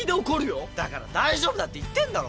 だから大丈夫だって言ってんだろ！